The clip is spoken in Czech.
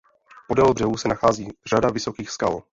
Podél břehů se nachází řada vysokých skal.